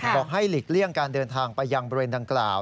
บอกให้หลีกเลี่ยงการเดินทางไปยังบริเวณดังกล่าว